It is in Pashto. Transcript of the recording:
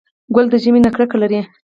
ګل د ژمي نه کرکه لري.